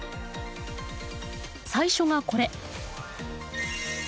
最初がこれ。